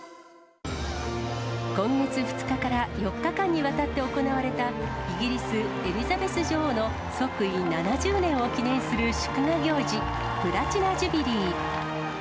今月２日から４日間にわたって行われた、イギリス、エリザベス女王の即位７０年を記念する祝賀行事、プラチナ・ジュビリー。